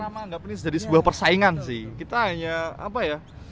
menganggap ini jadi sebuah persaingan sih kita hanya apa ya